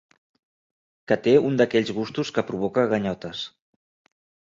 Que té un d'aquells gustos que provoca ganyotes.